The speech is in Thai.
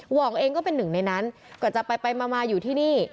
วองเองก็เป็นหนึ่งในนั้นก็จะไปมาอยู่ที่นี่